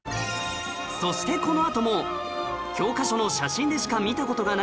そしてこのあとも教科書の写真でしか見た事がない！？